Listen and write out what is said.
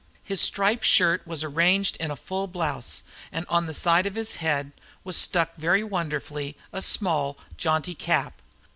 His striped shirt was arranged in a full blouse, and on the side of his head was stuck very wonderfully a small, jaunty cap.